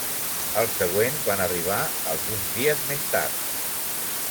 Els següents van arribar alguns dies més tard.